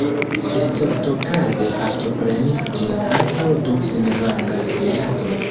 Esceptokaze partoprenis ĝin ankaǔ du senrangaj soldatoj.